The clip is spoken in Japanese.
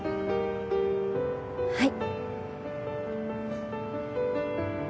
はい。